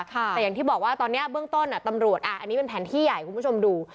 แต่อย่างที่บอกว่าตอนนี้เบื้องต้นตำรวจอันนี้เป็นแผนที่ใหญ่คุณผู้ชมดู